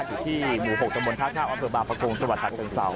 อยู่ที่หมู่๖จังหวัลท่าข้ามอาเผิกบาปกรงสวรรค์สวรรค์สวรรค์เชิงเศร้า